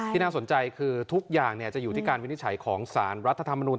น่าสนใจคือทุกอย่างจะอยู่ที่การวินิจฉัยของสารรัฐธรรมนุน